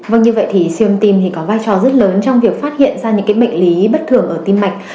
vâng như vậy thì siêu âm tim thì có vai trò rất lớn trong việc phát hiện ra những bệnh lý bất thường ở tim mạch